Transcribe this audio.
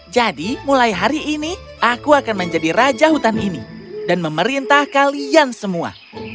jadi mulai hari ini aku akan menjadi raja hutan ini dan memerintah kalian semua